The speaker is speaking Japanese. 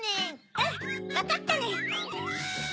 うんわかったネ。